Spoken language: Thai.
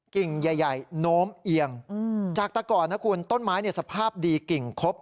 กิ่งใหญ่โน้มเอียงจากตะกรต้นไม้สภาพดีกิ่งครบ